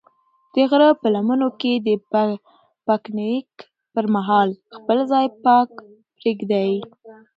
د غره په لمنو کې د پکنیک پر مهال خپل ځای پاک پرېږدئ.